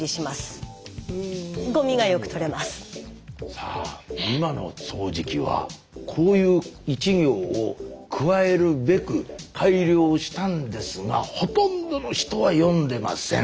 さあ今の掃除機はこういう１行を加えるべく改良したんですがほとんどの人は読んでません。